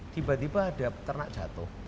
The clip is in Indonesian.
tiba tiba ada ternak jatuh